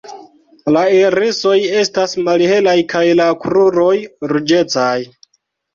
La irisoj estas malhelaj kaj la kruroj ruĝecaj.